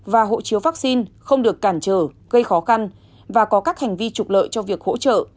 và hộ chiếu vaccine không được cản trở gây khó khăn và có các hành vi trục lợi cho việc hỗ trợ